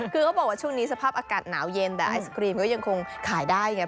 คือเขาบอกว่าช่วงนี้สภาพอากาศหนาวเย็นแต่ไอศครีมก็ยังคงขายได้ไง